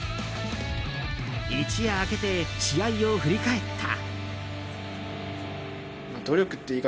一夜明けて試合を振り返った。